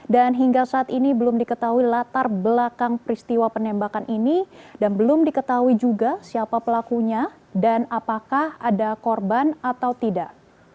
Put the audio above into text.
dan hingga saat ini belum diketahui latar belakang peristiwa penembakan ini dan belum diketahui juga siapa pelakunya dan apakah ada korban atau tidak